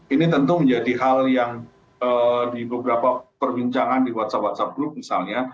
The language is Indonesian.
ini tentu menjadi hal yang di beberapa perbincangan di whatsapp whatsapp group misalnya